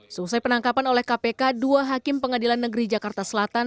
selesai penangkapan oleh kpk dua hakim pengadilan negeri jakarta selatan